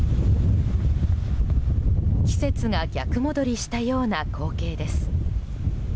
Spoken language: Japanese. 季節が逆戻りしたような光景です。